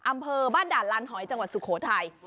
อำเภอบ้านด่านลานหอยจังหวัดสุโขทัย